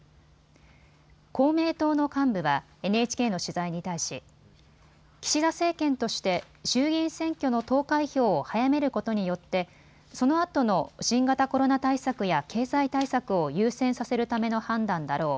公明党の幹部はＮＨＫの取材に対し、岸田政権として衆議院選挙の投開票を早めることによってそのあとの新型コロナ対策や経済対策を優先させるための判断だろう。